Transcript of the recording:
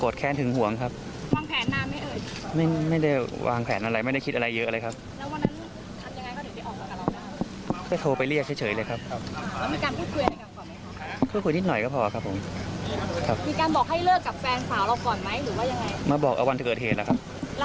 แล้วทำไมเราถึงตัดสินใจที่จะยิงเขาครับ